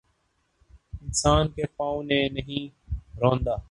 انسان کےپاؤں نے نہیں روندا